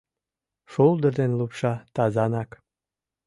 Шулдыр ден лупша тазанак